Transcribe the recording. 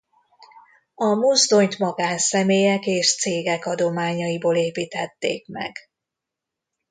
A mozdonyt magánszemélyek és cégek adományaiból építették meg.